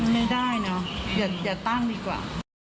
ไม่ได้เนอะอย่าตั้งดีกว่า